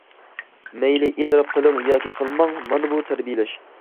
مەيلى ئېتىراپ قىلىڭ ياكى قىلماڭ، مانا بۇ تەربىيەلەش.